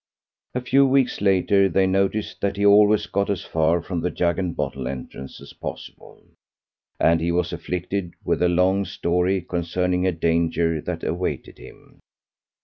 A few weeks later they noticed that he always got as far from the jug and bottle entrance as possible, and he was afflicted with a long story concerning a danger that awaited him.